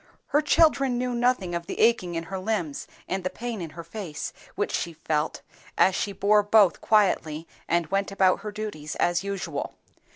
Her children knew nothing of the aching in her limbs and the pain in her face which she felt, as she bore both quietly and went about her duties as usual.